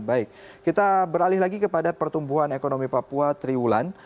baik kita beralih lagi kepada pertumbuhan ekonomi papua triwulan